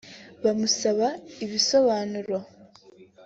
bamusaba ibisobanuro